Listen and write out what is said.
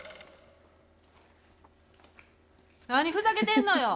何ふざけてんのよ。